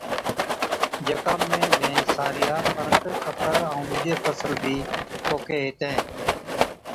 جڪا ۾ وين سارِيا، ڪڻڪ، ڪپه ائُون ڏوجي فصل بِي پوکين هِتين۔